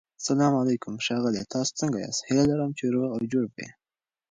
سلام علیکم ښاغلیه تاسو سنګه یاست هيله لرم چی روغ او جوړ به يي